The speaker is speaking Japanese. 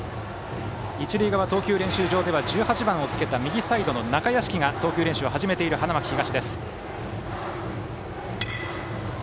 一塁側、投球練習場では１８番をつけた右サイドの中屋敷が投球練習を始めている花巻東。